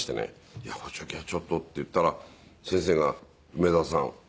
「いや補聴器はちょっと」って言ったら先生が「梅沢さん